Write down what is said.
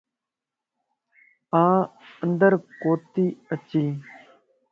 آن اندر ڪوتي اچين